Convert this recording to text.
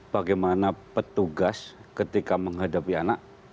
bagaimana petugas ketika menghadapi anak